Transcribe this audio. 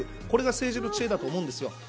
これが政治の知恵だと思うんです。